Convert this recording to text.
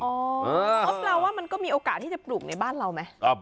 เพราะแปลว่ามันก็มีโอกาสที่จะปลูกในบ้านเราไหม